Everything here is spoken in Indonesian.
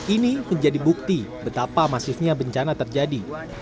ini menjadi bukti betapa masifnya bencana terjadi